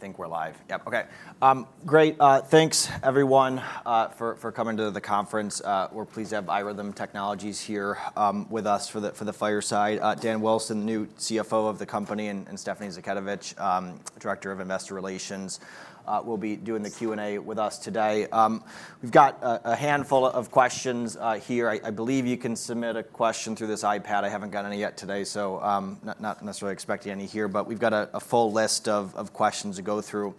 I think we're live. Yep, okay. Great, thanks everyone for coming to the conference. We're pleased to have iRhythm Technologies here with us for the fireside. Dan Wilson, the new CFO of the company, and Stephanie Zhadkevich, Director of Investor Relations, will be doing the Q&A with us today. We've got a handful of questions here. I believe you can submit a question through this iPad. I haven't got any yet today, so not necessarily expecting any here, but we've got a full list of questions to go through.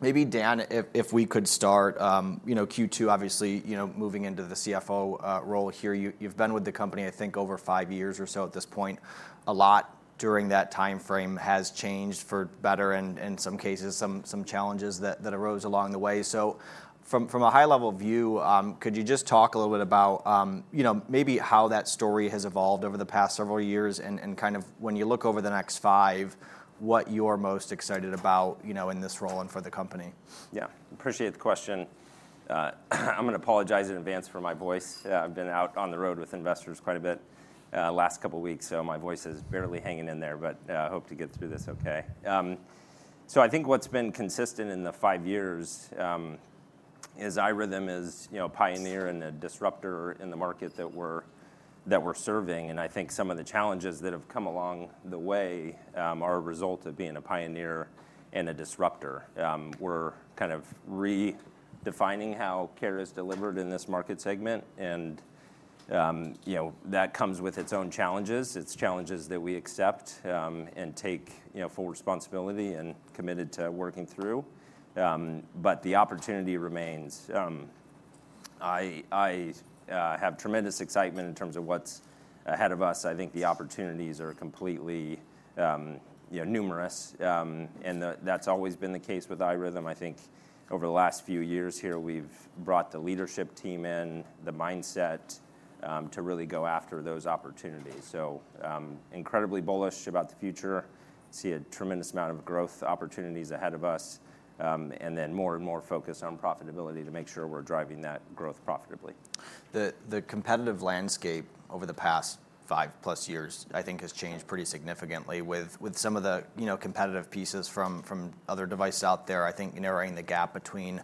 Maybe Dan, if we could start, you know, Q2, obviously, you know, moving into the CFO role here, you've been with the company, I think, over five years or so at this point. A lot during that timeframe has changed for better and in some cases, some challenges that arose along the way, so from a high-level view, could you just talk a little bit about, you know, maybe how that story has evolved over the past several years and kind of when you look over the next five, what you're most excited about, you know, in this role and for the company? Yeah. Appreciate the question. I'm gonna apologize in advance for my voice. I've been out on the road with investors quite a bit, last couple weeks, so my voice is barely hanging in there, but I hope to get through this okay. So I think what's been consistent in the five years is iRhythm, you know, a pioneer and a disruptor in the market that we're serving, and I think some of the challenges that have come along the way are a result of being a pioneer and a disruptor. We're kind of redefining how care is delivered in this market segment, and, you know, that comes with its own challenges. It's challenges that we accept and take, you know, full responsibility and committed to working through, but the opportunity remains. I have tremendous excitement in terms of what's ahead of us. I think the opportunities are completely, you know, numerous, and that's always been the case with iRhythm. I think over the last few years here, we've brought the leadership team in, the mindset, to really go after those opportunities. So, incredibly bullish about the future, see a tremendous amount of growth opportunities ahead of us, and then more and more focused on profitability to make sure we're driving that growth profitably. The competitive landscape over the past five plus years, I think, has changed pretty significantly with some of the, you know, competitive pieces from other devices out there, I think narrowing the gap between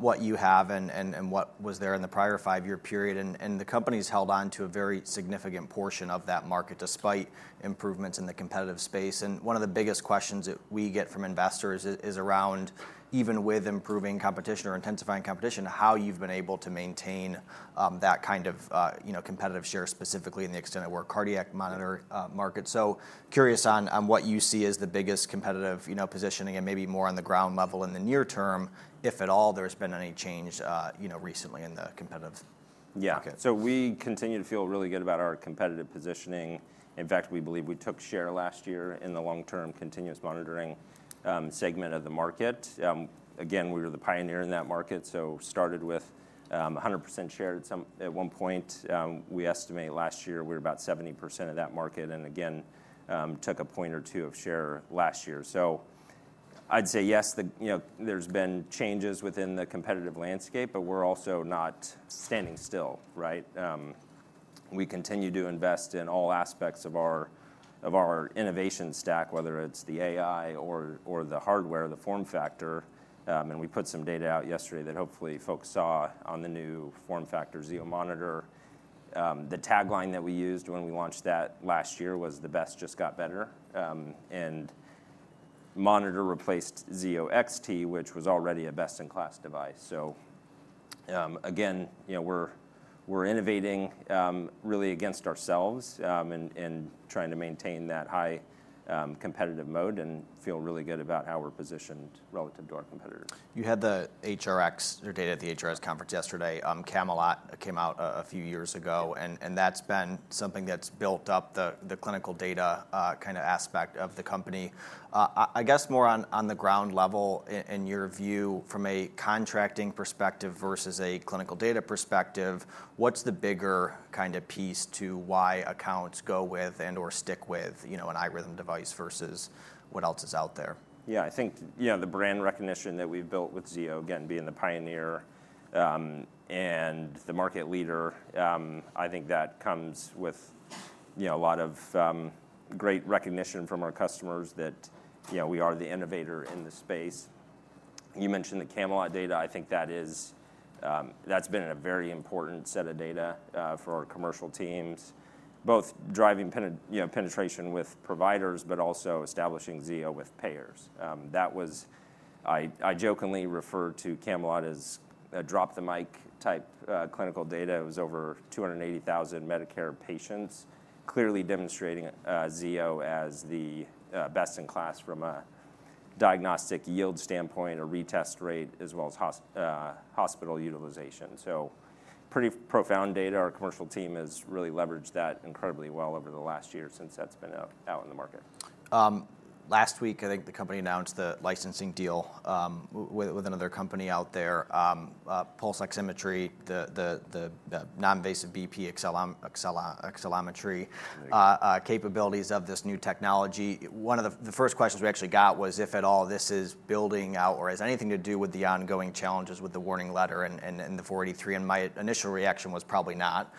what you have and what was there in the prior five-year period. And the company's held on to a very significant portion of that market, despite improvements in the competitive space. And one of the biggest questions that we get from investors is around even with improving competition or intensifying competition, how you've been able to maintain that kind of, you know, competitive share, specifically in the extended wear cardiac monitor market. So curious on what you see as the biggest competitive, you know, positioning and maybe more on the ground level in the near term, if at all, there's been any change, you know, recently in the competitive market? Yeah. So we continue to feel really good about our competitive positioning. In fact, we believe we took share last year in the long-term, continuous monitoring segment of the market. Again, we were the pioneer in that market, so started with 100% share at one point. We estimate last year we were about 70% of that market, and again took a point or two of share last year. So I'd say yes. You know, there's been changes within the competitive landscape, but we're also not standing still, right? We continue to invest in all aspects of our innovation stack, whether it's the AI or the hardware, the form factor. And we put some data out yesterday that hopefully folks saw on the new form factor Zio Monitor. The tagline that we used when we launched that last year was, "The best just got better." And Zio Monitor replaced Zio XT, which was already a best-in-class device. So, again, you know, we're innovating really against ourselves, and trying to maintain that high competitive mode and feel really good about how we're positioned relative to our competitors. You had the HRX data at the HRX conference yesterday. Camelot came out a few years ago, and that's been something that's built up the clinical data, kinda aspect of the company. I guess more on the ground level in your view from a contracting perspective versus a clinical data perspective, what's the bigger kind of piece to why accounts go with and or stick with, you know, an iRhythm device versus what else is out there? Yeah, I think, you know, the brand recognition that we've built with Zio, again, being the pioneer, and the market leader, I think that comes with, you know, a lot of, great recognition from our customers that, you know, we are the innovator in this space. You mentioned the Camelot data. I think that is... That's been a very important set of data, for our commercial teams, both driving penetration with providers, but also establishing Zio with payers. That was... I jokingly refer to Camelot as a drop-the-mic type, clinical data. It was over two hundred and eighty thousand Medicare patients, clearly demonstrating, Zio as the, best-in-class from a diagnostic yield standpoint or retest rate, as well as hospital utilization. So pretty profound data. Our commercial team has really leveraged that incredibly well over the last year since that's been out in the market.... Last week, I think the company announced the licensing deal, with another company out there. Pulse oximetry, the non-invasive BP accelerometry, capabilities of this new technology. One of the first questions we actually got was if at all this is building out or has anything to do with the ongoing challenges with the warning letter and the 483, and my initial reaction was probably not.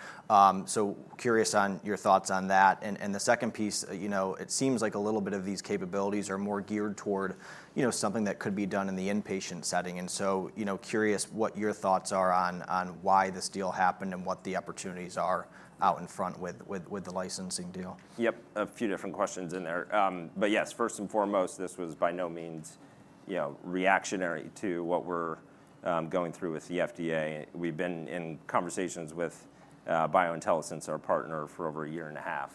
So curious on your thoughts on that. And the second piece, you know, it seems like a little bit of these capabilities are more geared toward, you know, something that could be done in the inpatient setting. And so, you know, curious what your thoughts are on why this deal happened and what the opportunities are out in front with the licensing deal? Yep, a few different questions in there. But yes, first and foremost, this was by no means, you know, reactionary to what we're going through with the FDA. We've been in conversations with BioIntelliSense, our partner, for over a year and a half,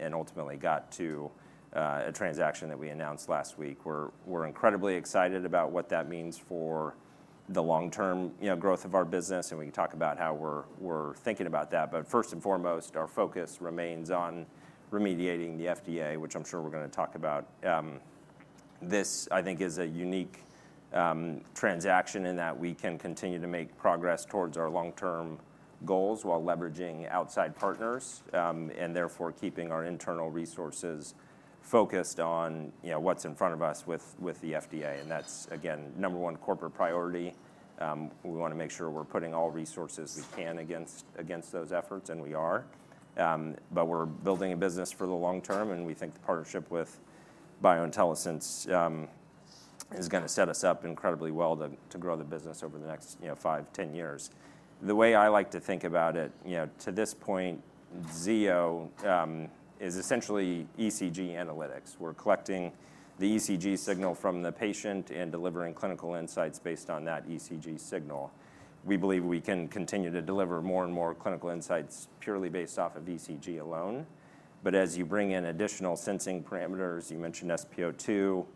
and ultimately got to a transaction that we announced last week. We're incredibly excited about what that means for the long-term, you know, growth of our business, and we can talk about how we're thinking about that. But first and foremost, our focus remains on remediating the FDA, which I'm sure we're gonna talk about. This, I think, is a unique transaction in that we can continue to make progress towards our long-term goals while leveraging outside partners, and therefore keeping our internal resources focused on, you know, what's in front of us with the FDA, and that's, again, number one corporate priority. We wanna make sure we're putting all resources we can against those efforts, and we are, but we're building a business for the long term, and we think the partnership with BioIntelliSense is gonna set us up incredibly well to grow the business over the next, you know, five, ten years. The way I like to think about it, you know, to this point, Zio is essentially ECG analytics. We're collecting the ECG signal from the patient and delivering clinical insights based on that ECG signal. We believe we can continue to deliver more and more clinical insights purely based off of ECG alone. But as you bring in additional sensing parameters, you mentioned SpO2,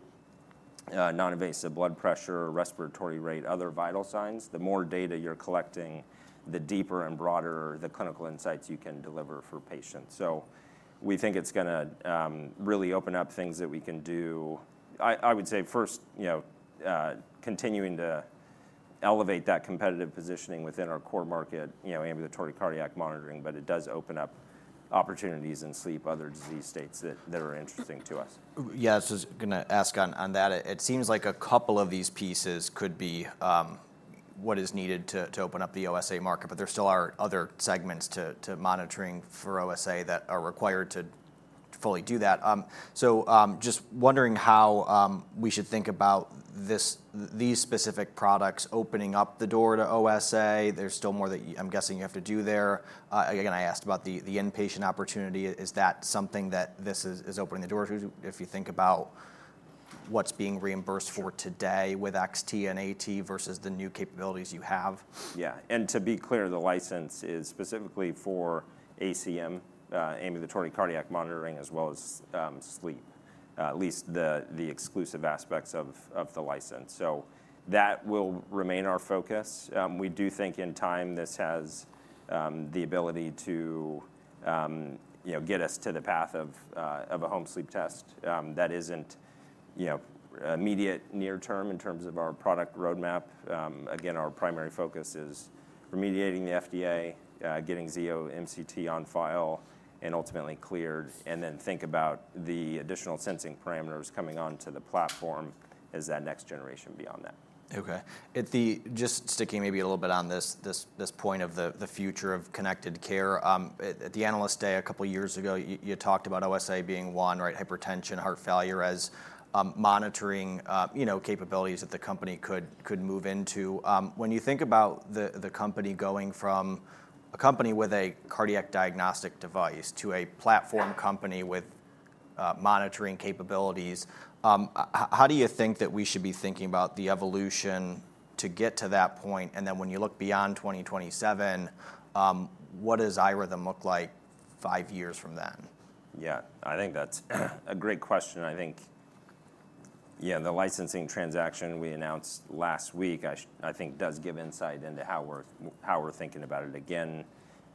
non-invasive blood pressure, respiratory rate, other vital signs, the more data you're collecting, the deeper and broader the clinical insights you can deliver for patients. So we think it's gonna really open up things that we can do. I would say first, you know, continuing to elevate that competitive positioning within our core market, you know, ambulatory cardiac monitoring, but it does open up opportunities in sleep, other disease states that are interesting to us. Yeah, I was just gonna ask on that. It seems like a couple of these pieces could be what is needed to open up the OSA market, but there still are other segments to monitoring for OSA that are required to fully do that. So, just wondering how we should think about these specific products opening up the door to OSA. There's still more that I'm guessing you have to do there. Again, I asked about the inpatient opportunity. Is that something that this is opening the door to, if you think about what's being reimbursed for today with XT and AT versus the new capabilities you have? Yeah. And to be clear, the license is specifically for ACM, ambulatory cardiac monitoring, as well as, sleep, at least the exclusive aspects of the license. So that will remain our focus. We do think in time, this has the ability to, you know, get us to the path of a home sleep test. That isn't, you know, immediate near term in terms of our product roadmap. Again, our primary focus is remediating the FDA, getting Zio MCT on file and ultimately cleared, and then think about the additional sensing parameters coming onto the platform as that next generation beyond that. Okay. Just sticking maybe a little bit on this point of the future of connected care, at the Analyst Day a couple of years ago, you talked about OSA being one, right? Hypertension, heart failure as monitoring, you know, capabilities that the company could move into. When you think about the company going from a company with a cardiac diagnostic device to a platform company with monitoring capabilities, how do you think that we should be thinking about the evolution to get to that point? And then when you look beyond 2027, what does iRhythm look like five years from then? Yeah, I think that's a great question. I think, yeah, the licensing transaction we announced last week, I think, does give insight into how we're thinking about it. Again,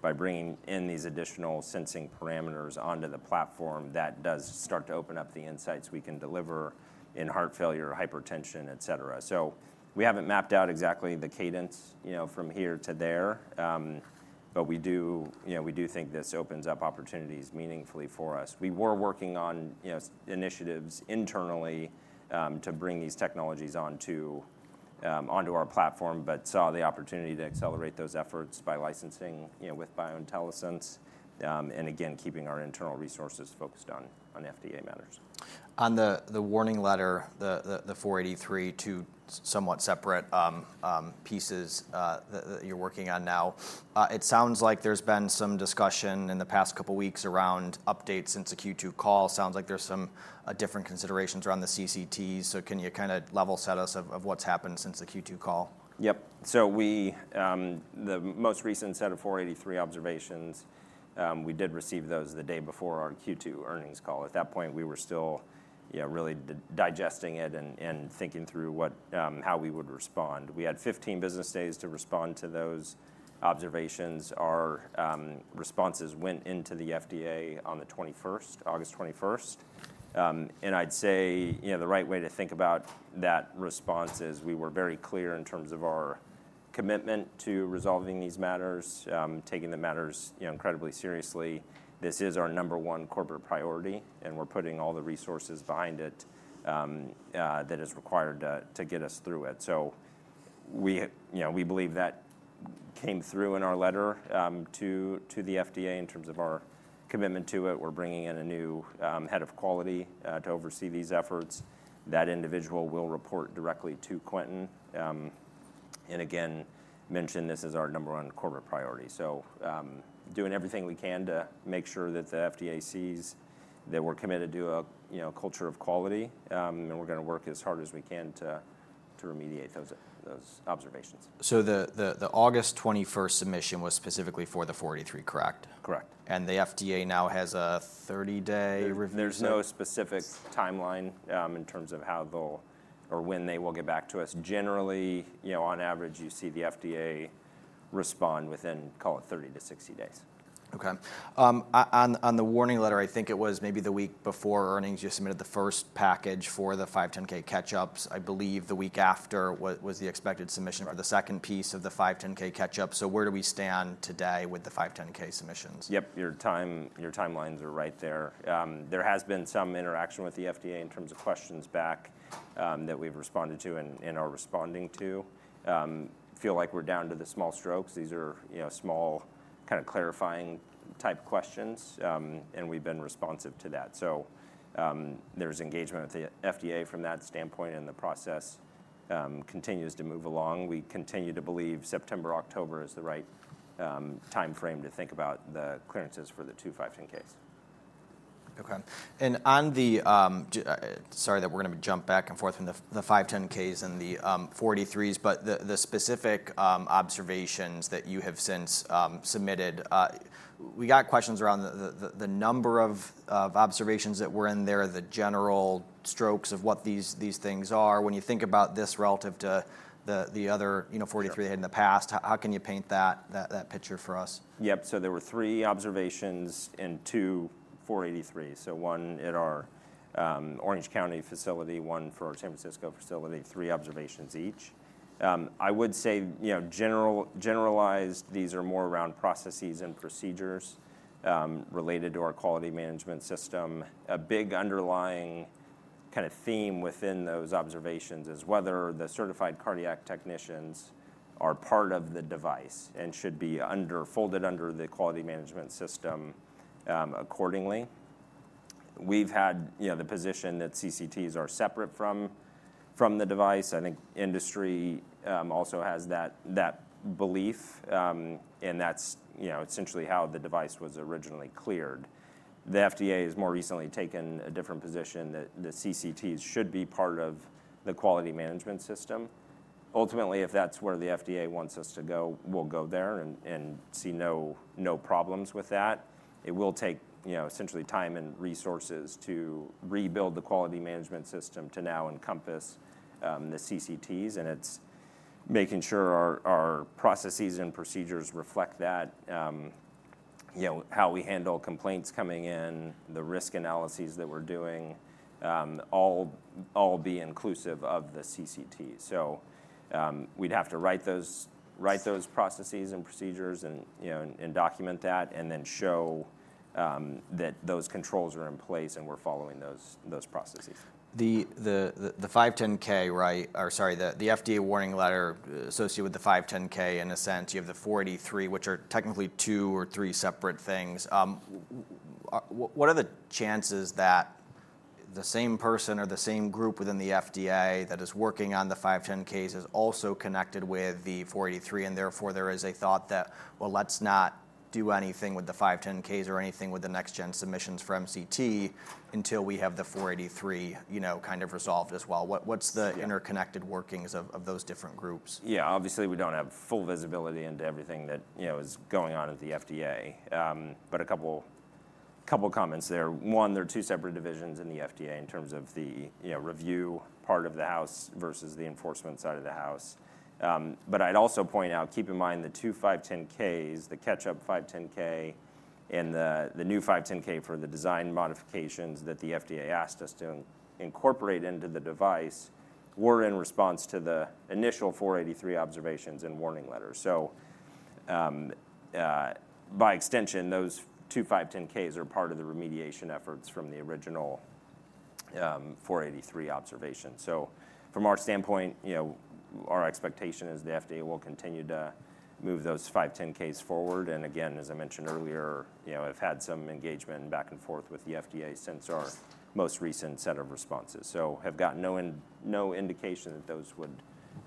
by bringing in these additional sensing parameters onto the platform, that does start to open up the insights we can deliver in heart failure, hypertension, et cetera. So we haven't mapped out exactly the cadence, you know, from here to there, but we do, you know, we do think this opens up opportunities meaningfully for us. We were working on, you know, initiatives internally, to bring these technologies onto our platform, but saw the opportunity to accelerate those efforts by licensing, you know, with BioIntelliSense, and again, keeping our internal resources focused on FDA matters. On the Warning Letter, the Form 483, two somewhat separate pieces that you're working on now. It sounds like there's been some discussion in the past couple of weeks around updates since the Q2 call. Sounds like there's some different considerations around the CCT, so can you kinda level set us on what's happened since the Q2 call? Yep. So we. The most recent set of Form 483 observations, we did receive those the day before our Q2 earnings call. At that point, we were still, yeah, really digesting it and thinking through what, how we would respond. We had fifteen business days to respond to those observations. Our responses went into the FDA on the 21st, August 21st, and I'd say, you know, the right way to think about that response is, we were very clear in terms of our commitment to resolving these matters, taking the matters, you know, incredibly seriously. This is our number one corporate priority, and we're putting all the resources behind it that is required to get us through it. So we, you know, we believe that came through in our letter to the FDA in terms of our commitment to it. We're bringing in a new head of quality to oversee these efforts. That individual will report directly to Quentin. And again, mention this is our number one corporate priority. Doing everything we can to make sure that the FDA sees that we're committed to a you know culture of quality, and we're gonna work as hard as we can to remediate those observations. So the August 21st submission was specifically for the 483, correct? Correct. The FDA now has a thirty-day rev- There's no specific timeline, in terms of how they'll or when they will get back to us. Generally, you know, on average, you see the FDA respond within, call it 30-60 days. Okay. On the warning letter, I think it was maybe the week before earnings, you submitted the first package for the 510(k) catch-ups. I believe the week after was the expected submission or the second piece of the 510(k) catch-up. So where do we stand today with the 510(k) submissions? Yep, your time, your timelines are right there. There has been some interaction with the FDA in terms of questions back that we've responded to and are responding to. Feel like we're down to the small strokes. These are, you know, small, kind of clarifying type questions, and we've been responsive to that. So, there's engagement with the FDA from that standpoint, and the process continues to move along. We continue to believe September, October is the right time frame to think about the clearances for the two 510(k)s. Okay. And on the 510(k)s and the 483s, but the specific observations that you have since submitted. We got questions around the number of observations that were in there, the general strokes of what these things are. When you think about this relative to the other, you know, 483s. Yeah... in the past, how can you paint that picture for us? Yep. So there were three observations in two Form 483s. So one at our Orange County facility, one for our San Francisco facility, three observations each. I would say, you know, generalized, these are more around processes and procedures related to our quality management system. A big underlying kind of theme within those observations is whether the certified cardiac technicians are part of the device and should be included under the quality management system accordingly. We've had, you know, the position that CCTs are separate from the device. I think industry also has that belief, and that's, you know, essentially how the device was originally cleared. The FDA has more recently taken a different position that the CCTs should be part of the quality management system. Ultimately, if that's where the FDA wants us to go, we'll go there and see no problems with that. It will take, you know, essentially time and resources to rebuild the Quality Management System to now encompass the CCTs, and it's making sure our processes and procedures reflect that. You know, how we handle complaints coming in, the risk analyses that we're doing, all be inclusive of the CCTs. So, we'd have to write those processes and procedures and, you know, and document that and then show that those controls are in place and we're following those processes. The 510(k), right, or sorry, the FDA warning letter associated with the 510(k), in a sense, you have the 483, which are technically two or three separate things. What are the chances that the same person or the same group within the FDA that is working on the 510(k)s is also connected with the 483, and therefore, there is a thought that, well, let's not do anything with the 510(k)s or anything with the next gen submissions for MCT until we have the 483, you know, kind of resolved as well? What, what's the- Yeah... interconnected workings of those different groups? Yeah. Obviously, we don't have full visibility into everything that, you know, is going on at the FDA. But a couple comments there. One, there are two separate divisions in the FDA in terms of the, you know, review part of the house versus the enforcement side of the house. But I'd also point out, keep in mind, the two 510(k)s, the catch-up 510(k) and the new 510(k) for the design modifications that the FDA asked us to incorporate into the device, were in response to the initial 483 observations and warning letters. So, by extension, those two 510(k)s are part of the remediation efforts from the original 483 observation. So from our standpoint, you know, our expectation is the FDA will continue to move those 510(k)s forward. Again, as I mentioned earlier, you know, I've had some engagement back and forth with the FDA since our- Yes... most recent set of responses. So have got no indication that those would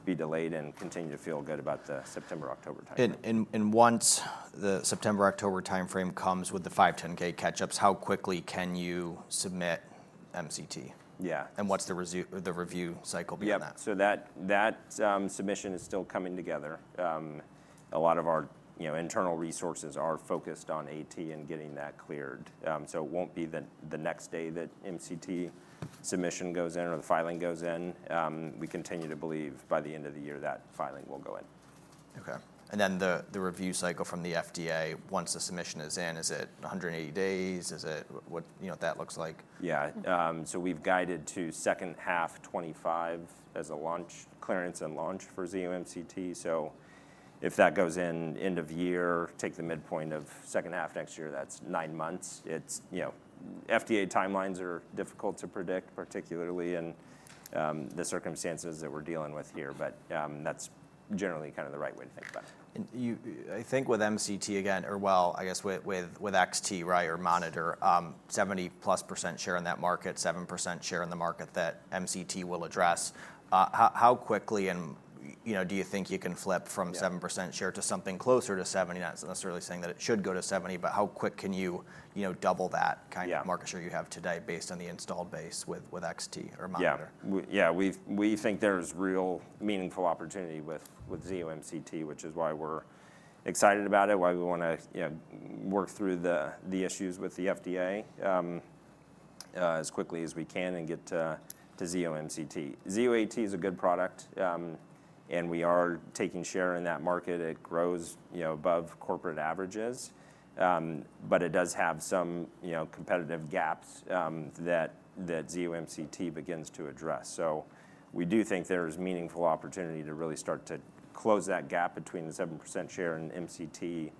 be delayed and continue to feel good about the September, October timeframe. Once the September, October timeframe comes with the 510(k) catch-ups, how quickly can you submit MCT? Yeah. And what's the review cycle beyond that? Yep. So that submission is still coming together. A lot of our, you know, internal resources are focused on AT and getting that cleared. So it won't be the next day that MCT submission goes in or the filing goes in. We continue to believe by the end of the year, that filing will go in. Okay. And then the review cycle from the FDA, once the submission is in, is it 180 days? Is it... What, you know, what that looks like? Yeah, so we've guided to second half 2025 as a launch, clearance and launch for Zio MCT. If that goes in end of year, take the midpoint of second half next year, that's nine months. It's, you know, FDA timelines are difficult to predict, particularly in the circumstances that we're dealing with here. But that's generally kind of the right way to think about it. And you—I think with MCT again, or well, I guess with XT, right, or Monitor, 70+% share in that market, 7% share in the market that MCT will address. How quickly and, you know, do you think you can flip from- Yeah 7% share to something closer to 70%? Not necessarily saying that it should go to 70%, but how quick can you, you know, double that- Yeah Kind of market share you have today based on the installed base with XT or Monitor? Yeah. Yeah, we think there's real meaningful opportunity with Zio MCT, which is why we're excited about it, why we wanna, you know, work through the issues with the FDA as quickly as we can and get to Zio MCT. Zio AT is a good product, and we are taking share in that market. It grows, you know, above corporate averages, but it does have some, you know, competitive gaps that Zio MCT begins to address. So we do think there's meaningful opportunity to really start to close that gap between the 7% share in MCT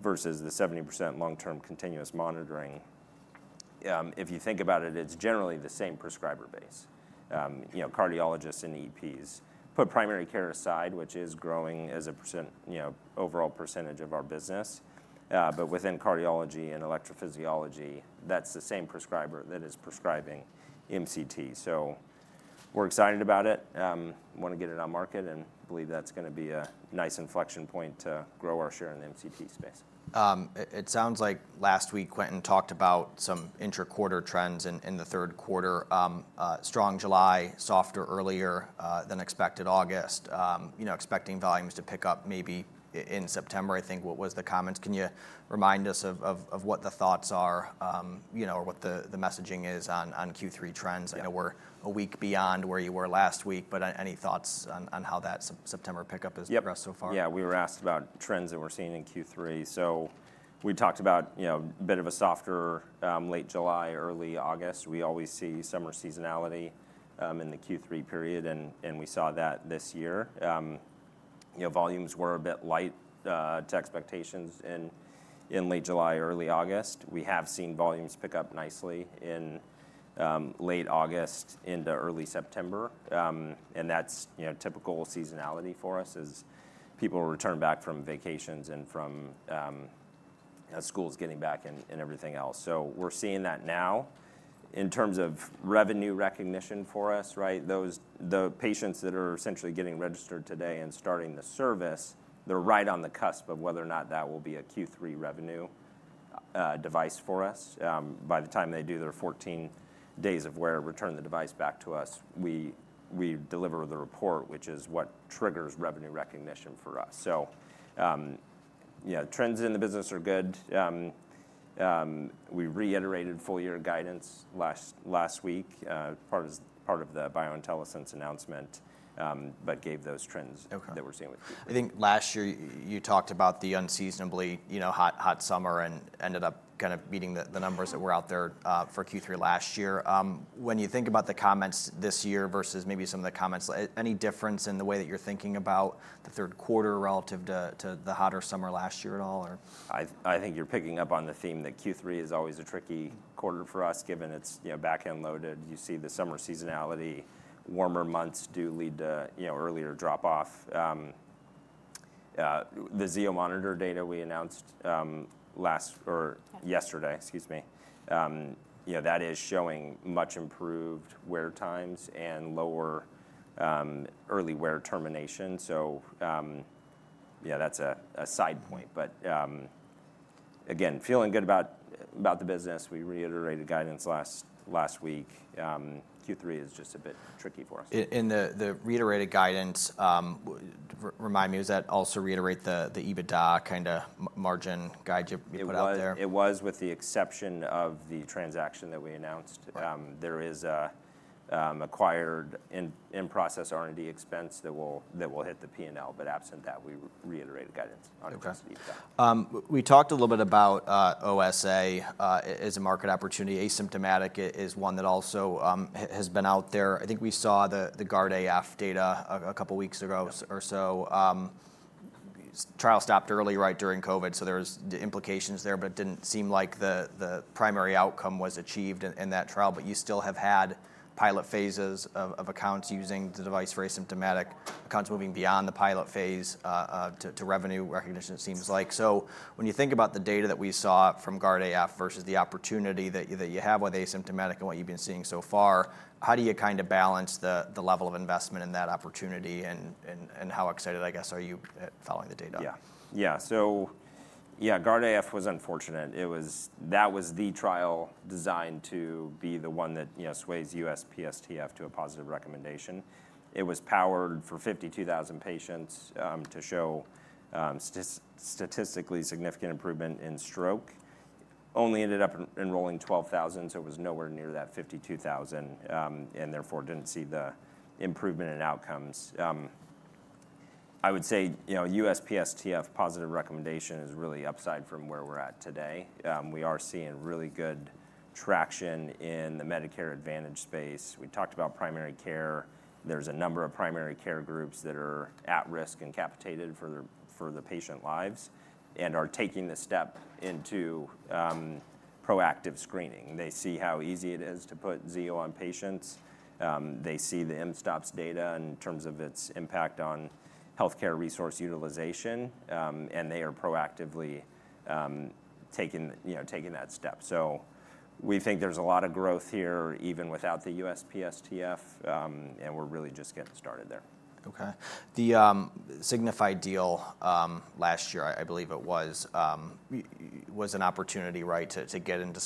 versus the 70% long-term continuous monitoring. If you think about it, it's generally the same prescriber base. You know, cardiologists and EPs. Put primary care aside, which is growing as a percent, you know, overall percentage of our business, but within cardiology and electrophysiology, that's the same prescriber that is prescribing MCT. So we're excited about it, wanna get it on market, and believe that's gonna be a nice inflection point to grow our share in the MCT space. It sounds like last week, Quentin talked about some interquarter trends in the third quarter. Strong July, softer earlier than expected August. You know, expecting volumes to pick up maybe in September, I think. What was the comments? Can you remind us of what the thoughts are, you know, or what the messaging is on Q3 trends? Yeah. I know we're a week beyond where you were last week, but any thoughts on how that September pickup has- Yep progressed so far? Yeah, we were asked about trends that we're seeing in Q3, so we talked about, you know, a bit of a softer, late July, early August. We always see summer seasonality in the Q3 period and we saw that this year. You know, volumes were a bit light to expectations in late July, early August. We have seen volumes pick up nicely in late August into early September, and that's, you know, typical seasonality for us, as people return back from vacations and from schools getting back and everything else, so we're seeing that now. In terms of revenue recognition for us, right, those, the patients that are essentially getting registered today and starting the service, they're right on the cusp of whether or not that will be a Q3 revenue, device for us. By the time they do their 14 days of wear, return the device back to us, we deliver the report, which is what triggers revenue recognition for us. So, yeah, trends in the business are good. We reiterated full year guidance last week, part of the BioIntelliSense announcement, but gave those trends- Okay -that we're seeing with Q3. I think last year, you talked about the unseasonably, you know, hot, hot summer and ended up kind of beating the numbers- Mm... that were out there for Q3 last year. When you think about the comments this year versus maybe some of the comments, any difference in the way that you're thinking about the third quarter relative to the hotter summer last year at all, or? I think you're picking up on the theme that Q3 is always a tricky quarter for us, given it's, you know, back-end loaded. You see the summer seasonality. Warmer months do lead to, you know, earlier drop-off. The Zio Monitor data we announced last or yesterday, excuse me, you know, that is showing much improved wear times and lower early wear termination. So, yeah, that's a side point but, again, feeling good about the business. We reiterated guidance last week. Q3 is just a bit tricky for us. And the reiterated guidance, remind me, is that also reiterate the EBITDA kinda margin guide you put out there? It was with the exception of the transaction that we announced. Right. There is a acquired in-process R&D expense that will hit the P&L, but absent that, we reiterated guidance on EBITDA. Okay. We talked a little bit about OSA as a market opportunity. Asymptomatic is one that also has been out there. I think we saw the GUARD-AF data a couple of weeks ago- Yep... or so. Trial stopped early, right, during COVID, so there's the implications there, but it didn't seem like the primary outcome was achieved in that trial. But you still have had pilot phases of accounts using the device for asymptomatic accounts moving beyond the pilot phase to revenue recognition, it seems like. So when you think about the data that we saw from GUARD-AF versus the opportunity that you have with asymptomatic and what you've been seeing so far, how do you kind of balance the level of investment in that opportunity, and how excited, I guess, are you at following the data? Yeah. Yeah, so yeah, GUARD-AF was unfortunate. It was. That was the trial designed to be the one that, you know, sways USPSTF to a positive recommendation. It was powered for 52,000 patients, to show statistically significant improvement in stroke. Only ended up enrolling 12,000, so it was nowhere near that 52,000, and therefore, didn't see the improvement in outcomes. I would say, you know, USPSTF positive recommendation is really upside from where we're at today. We are seeing really good traction in the Medicare Advantage space. We talked about primary care. There's a number of primary care groups that are at risk and capitated for their, for the patient lives, and are taking the step into proactive screening. They see how easy it is to put Zio on patients. They see the mSToPS data in terms of its impact on healthcare resource utilization, and they are proactively taking, you know, taking that step. So we think there's a lot of growth here, even without the USPSTF, and we're really just getting started there. Okay. The Signify deal last year, I believe it was, was an opportunity, right, to get into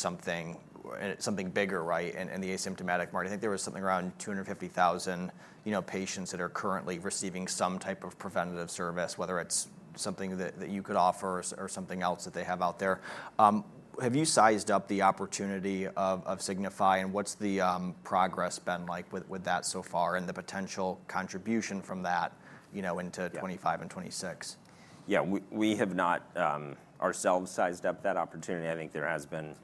something bigger, right, in the asymptomatic market. I think there was something around two hundred and fifty thousand, you know, patients that are currently receiving some type of preventative service, whether it's something that you could offer or something else that they have out there. Have you sized up the opportunity of Signify, and what's the progress been like with that so far, and the potential contribution from that, you know, into- Yeah... 2025 and 2026? Yeah, we have not ourselves sized up that opportunity. I think there has been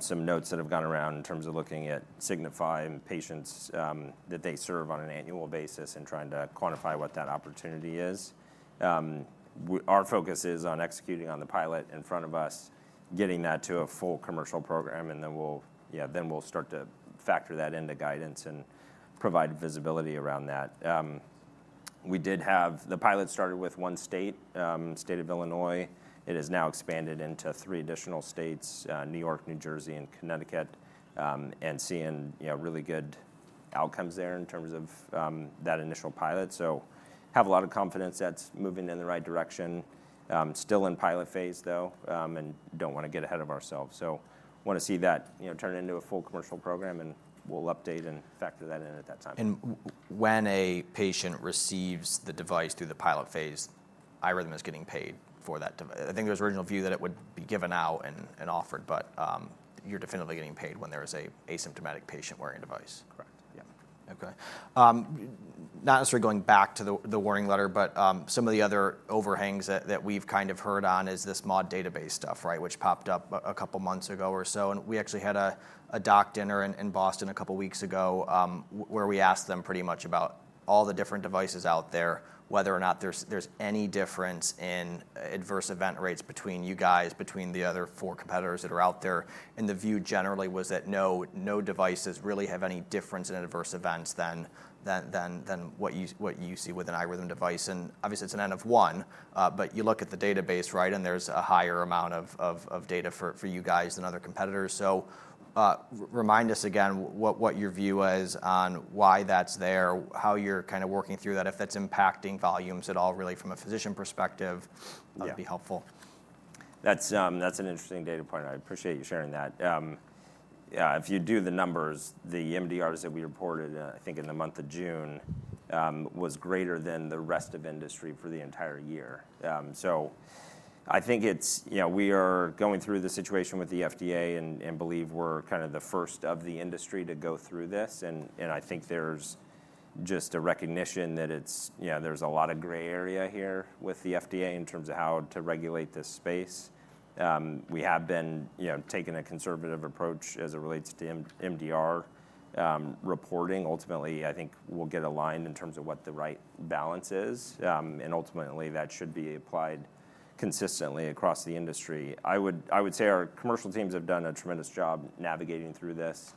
some notes that have gone around in terms of looking at Signify and patients that they serve on an annual basis and trying to quantify what that opportunity is. Our focus is on executing on the pilot in front of us, getting that to a full commercial program, and then we'll... Yeah, then we'll start to factor that into guidance and provide visibility around that. We did have the pilot started with one state, state of Illinois. It has now expanded into three additional states, New York, New Jersey, and Connecticut, and seeing, you know, really good outcomes there in terms of that initial pilot. So have a lot of confidence that's moving in the right direction. Still in pilot phase, though, and don't wanna get ahead of ourselves. So wanna see that, you know, turn into a full commercial program, and we'll update and factor that in at that time. When a patient receives the device through the pilot phase, iRhythm is getting paid for that, I think there was original view that it would be given out and offered, but you're definitively getting paid when there is a asymptomatic patient wearing a device? Correct. Yeah. Okay. Not necessarily going back to the Warning Letter, but some of the other overhangs that we've kind of heard on is this MDR database stuff, right? Which popped up a couple of months ago or so, and we actually had a doc dinner in Boston a couple of weeks ago, where we asked them pretty much about all the different devices out there, whether or not there's any difference in adverse event rates between you guys, between the other four competitors that are out there. And the view, generally, was that no devices really have any difference in adverse events than what you see with an iRhythm device. Obviously, it's an N-of-1, but you look at the database, right, and there's a higher amount of data for you guys than other competitors. So, remind us again what your view is on why that's there, how you're kind of working through that, if that's impacting volumes at all, really, from a physician perspective - Yeah... that'd be helpful. That's an interesting data point, and I appreciate you sharing that. Yeah, if you do the numbers, the MDRs that we reported, I think in the month of June, was greater than the rest of industry for the entire year. So I think it's... You know, we are going through the situation with the FDA and believe we're kind of the first of the industry to go through this, and I think there's just a recognition that it's, you know, there's a lot of gray area here with the FDA in terms of how to regulate this space. We have been, you know, taking a conservative approach as it relates to MDR reporting. Ultimately, I think we'll get aligned in terms of what the right balance is, and ultimately, that should be applied consistently across the industry. I would say our commercial teams have done a tremendous job navigating through this,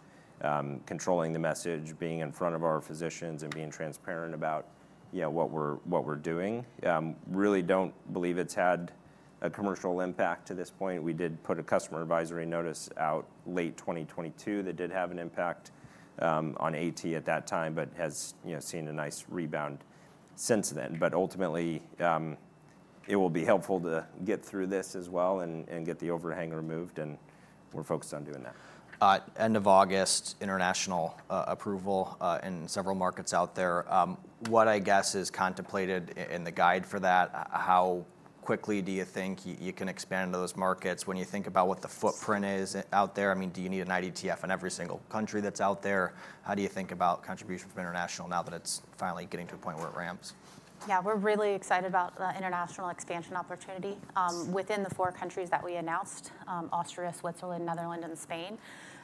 controlling the message, being in front of our physicians, and being transparent about, you know, what we're doing. Really don't believe it's had a commercial impact to this point. We did put a customer advisory notice out late 2022 that did have an impact on AT at that time, but has, you know, seen a nice rebound since then. But ultimately, it will be helpful to get through this as well and get the overhang removed, and we're focused on doing that. End of August, international approval in several markets out there. What I guess is contemplated in the guide for that, how quickly do you think you can expand to those markets when you think about what the footprint is out there? I mean, do you need an IDTF in every single country that's out there? How do you think about contribution from international now that it's finally getting to a point where it ramps? Yeah, we're really excited about the international expansion opportunity. Within the four countries that we announced, Austria, Switzerland, Netherlands, and Spain,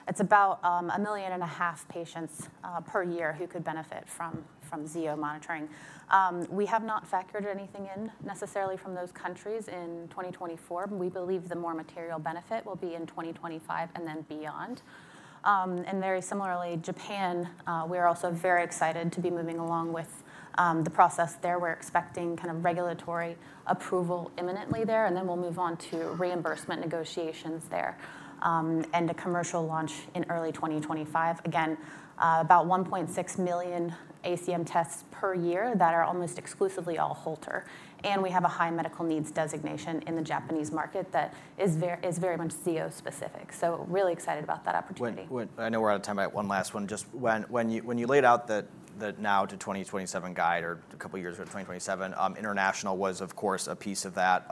it's about a million and a half patients per year who could benefit from Zio monitoring. We have not factored anything in necessarily from those countries in 2024, but we believe the more material benefit will be in 2025 and then beyond, and very similarly, Japan, we are also very excited to be moving along with the process there. We're expecting kind of regulatory approval imminently there, and then we'll move on to reimbursement negotiations there, and a commercial launch in early 2025. Again, about 1.6 million ACM tests per year that are almost exclusively all Holter, and we have a high medical needs designation in the Japanese market that is very much Zio specific, so really excited about that opportunity. I know we're out of time, but one last one. Just when you laid out the now to 2027 guide or a couple of years ago, 2027, international was, of course, a piece of that.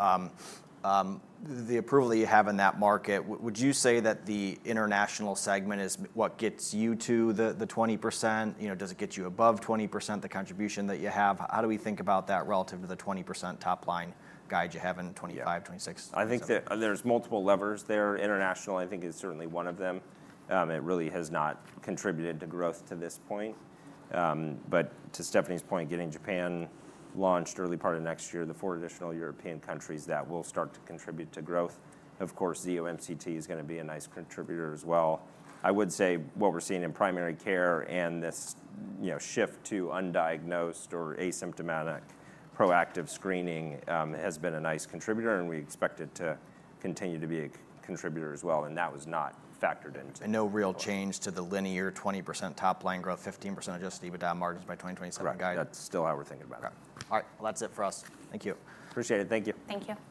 The approval that you have in that market, would you say that the international segment is what gets you to the 20%? You know, does it get you above 20%, the contribution that you have? How do we think about that relative to the 20% top line guide you have in 2025, 2026? I think there, there's multiple levers there. International, I think, is certainly one of them. It really has not contributed to growth to this point. But to Stephanie's point, getting Japan launched early part of next year, the four additional European countries, that will start to contribute to growth. Of course, Zio MCT is gonna be a nice contributor as well. I would say what we're seeing in primary care and this, you know, shift to undiagnosed or asymptomatic proactive screening, has been a nice contributor, and we expect it to continue to be a contributor as well, and that was not factored into- No real change to the linear 20% top line growth, 15% adjusted EBITDA margins by 2027 guide. Correct. That's still how we're thinking about it. Okay. All right, well, that's it for us. Thank you. Appreciate it. Thank you. Thank you.